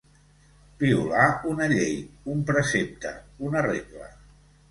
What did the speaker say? Violar una llei, un precepte, una regla.